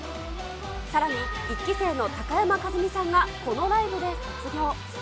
さらに、１期生の高山一実さんがこのライブで卒業。